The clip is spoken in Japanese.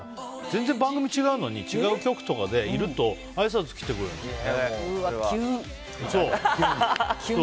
全然、番組違うのに違う局とかでいるとあいさつに来てくれるんですよ。